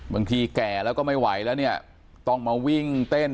แก่แล้วก็ไม่ไหวแล้วเนี่ยต้องมาวิ่งเต้น